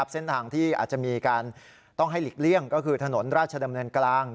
เส้นทางที่อาจจะมีการต้องให้หลีกเลี่ยงก็คือถนนราชดำเนินกลาง